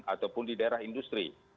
ataupun di daerah industri